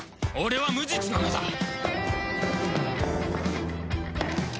俺は無実なのだ！